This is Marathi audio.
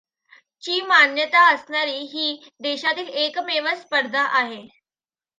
ची मान्यता असणारी ही देशातील एकमेव स्पर्धा आहे.